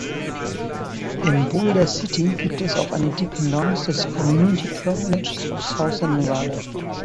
In Boulder City gibt es auch eine Dependance des Community College of Southern Nevada.